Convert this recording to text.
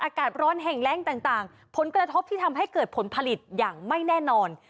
อากาศร้อนแห่งแรงต่างผลกระทบที่ทำให้เกิดผลผลิตอย่างไม่แน่นอน